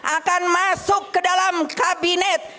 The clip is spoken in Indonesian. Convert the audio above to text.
akan masuk ke dalam kabinet